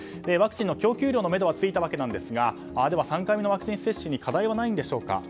ワクチンの供給量のめどがついたわけですがでは３回目のワクチン接種に課題はないのでしょうか。